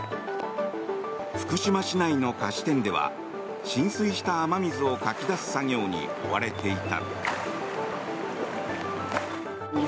福島市内の菓子店では浸水した雨水をかき出す作業に追われていた。